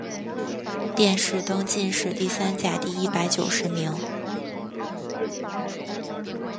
殿试登进士第三甲第一百九十名。